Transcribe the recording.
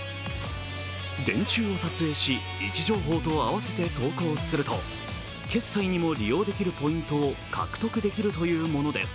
電柱を撮影し、位置情報と合わせて投稿すると、決済にも利用できるポイントを獲得できるというものです。